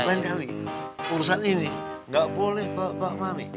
sekali kali urusan ini gak boleh bawa mami